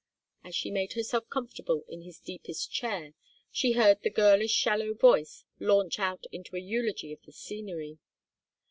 As she made herself comfortable in his deepest chair she heard the girlish shallow voice launch out into a eulogy of the scenery.